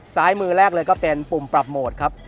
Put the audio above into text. ซ้ายมือแรกเลยก็เป็นปุ่มปรับโหมดครับ